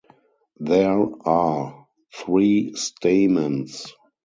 There are three stamens.